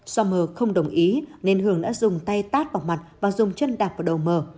do mờ không đồng ý nên hường đã dùng tay tát vào mặt và dùng chân đạp vào đầu mờ